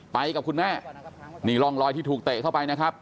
ไปกับคุณแม่นี่ร่องรอยที่ถูกเตะเข้าไปนะครับ